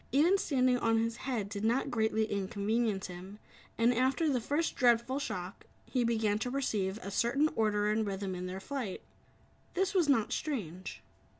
Even standing on his head did not greatly inconvenience him, and after the first dreadful shock, he began to perceive a certain order and rhythm in their flight. This was not strange.